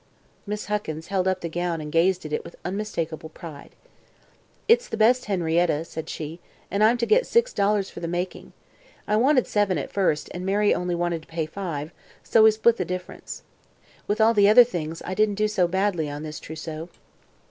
Miss Huckins held up the gown and gazed at it with unmistakable pride. "It's the best Henrietta," said she, "and I'm to get six dollars for the making. I wanted seven, at first, and Mary only wanted to pay five, so we split the difference. With all the other things, I didn't do so badly on this trousseau."